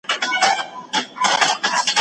چي کلتور وساتو.